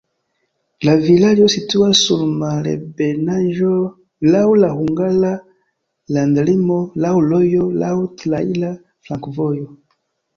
La vilaĝo situas sur malebenaĵo, laŭ la hungara landlimo, laŭ rojo, laŭ traira flankovojo.